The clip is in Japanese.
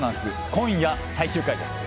今夜最終回です。